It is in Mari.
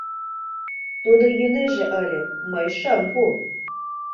Тудо йӱнеже ыле, мый шым пу.